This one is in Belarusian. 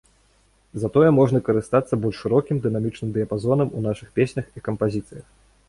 Затое можна карыстацца больш шырокім дынамічным дыяпазонам у нашых песнях і кампазіцыях.